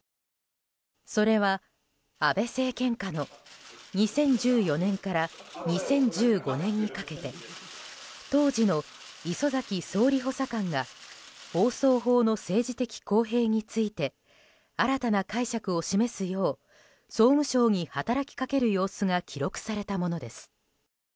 それは安倍政権下の２０１４年から２０１５年にかけて当時の礒崎総理補佐官が放送法の政治的公平について新たな解釈を示すよう総務省に働きかける様子が記録されたものです。